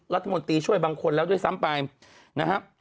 รัฐมนตรีช่วยบางคนแล้วด้วยซ้ำไปนะครับ